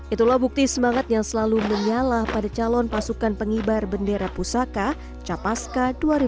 itulah bukti semangat yang selalu menyala pada calon pasukan pengibar bendera pusaka capaska dua ribu dua puluh